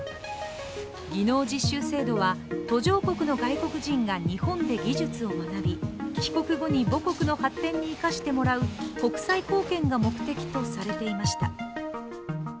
技能実習制度は、途上国の外国人が日本で技術を学び帰国後に母国の発展に生かしてもらう国際貢献が目的とされていました。